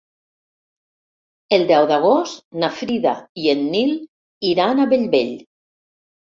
El deu d'agost na Frida i en Nil iran a Bellvei.